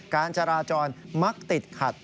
การจราจรมักติดขัด